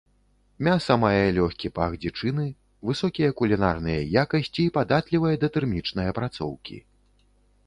Мяса мае лёгкі пах дзічыны, высокія кулінарныя якасці і падатлівае да тэрмічнай апрацоўкі.